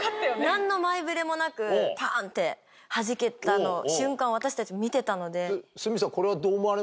何の前触れもなくパン！ってはじけた瞬間を私たち見てたので。